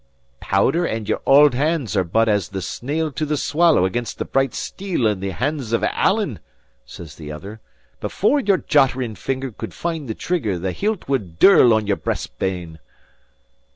"Powder and your auld hands are but as the snail to the swallow against the bright steel in the hands of Alan," said the other. "Before your jottering finger could find the trigger, the hilt would dirl on your breast bane."